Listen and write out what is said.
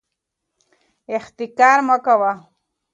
احتکار مه کوئ.